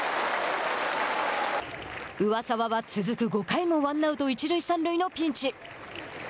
上沢は続く５回もワンアウト、一塁三塁のピンチ。